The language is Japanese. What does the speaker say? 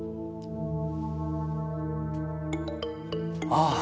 ああ！